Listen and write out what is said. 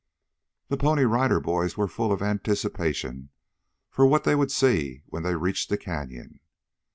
The Pony Rider Boys were full of anticipation for what they would see when they reached the Canyon.